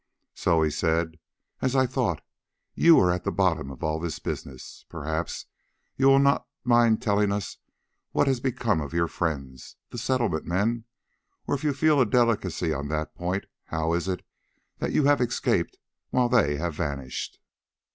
"So," he said, "as I thought, you are at the bottom of all this business. Perhaps you will not mind telling us what has become of your friends, the Settlement men, or, if you feel a delicacy on that point, how it is that you have escaped while they have vanished."